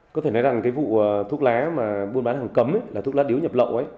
có thể nói rằng cái vụ thuốc lá mà buôn bán hàng cấm là thuốc lá điếu nhập lậu ấy